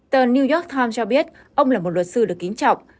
tờ new york times cho biết ông là một luật sư được kính trọng